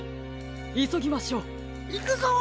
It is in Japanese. いそぎましょう。いくぞ！